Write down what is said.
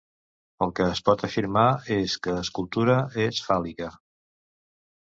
El que es pot afirmar és que escultura és fàl·lica.